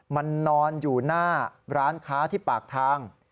มันนอนอยู่หน้าร้านค้าที่ปากทาง